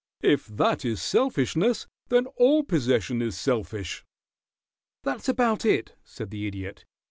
If that is selfishness, then all possession is selfish." "That's about it," said the Idiot.